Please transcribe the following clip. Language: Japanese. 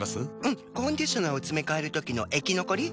んっコンディショナーをつめかえるときの液残り？